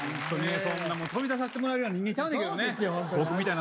そんなもう、飛び出させてもらうような人間ちゃうねんけどね。